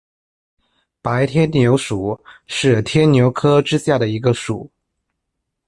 白天牛属是天牛科之下的一个属。